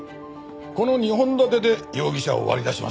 この２本立てで容疑者を割り出します。